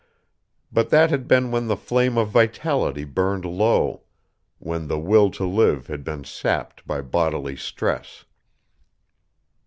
But that had been when the flame of vitality burned low, when the will to live had been sapped by bodily stress.